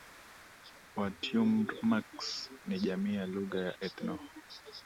WaTyumrks ni jamii ya lugha ya ethno